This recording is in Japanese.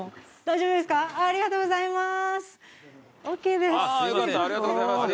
ありがとうございます。